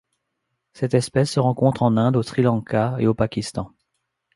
Cette espèce se rencontre en Inde, au Sri Lanka et au Pakistan.